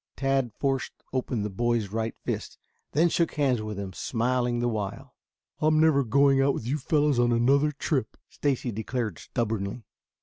Tad forced open the boy's right fist, then shook hands with him, smiling the while. "I'm never going out with you fellows on another trip," Stacy declared stubbornly.